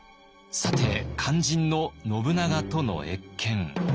さて肝心の信長との謁見。